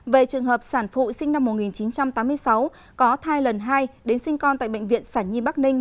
về trường hợp sản phụ sinh năm một nghìn chín trăm tám mươi sáu có thai lần hai đến sinh con tại bệnh viện sản nhi bắc ninh